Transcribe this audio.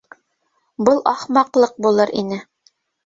Был ахмаҡлыҡ булыр ине.